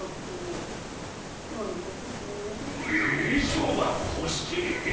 そばをほしてえ？